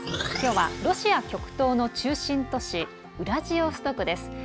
きょうはロシア極東の中心都市ウラジオストクです。